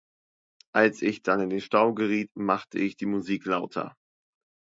Als ich dann in den Stau geriet, machte ich die Musik lauter.